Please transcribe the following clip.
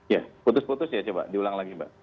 ya putus putus ya coba diulang lagi mbak